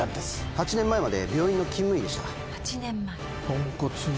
８年前まで病院の勤務医でした８年前ポンコツは？